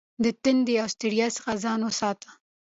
د تندې او ستړیا څخه ځان وساته.